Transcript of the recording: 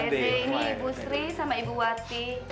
ini bu sri sama ibu wati